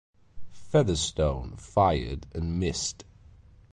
Featherston fired and missed.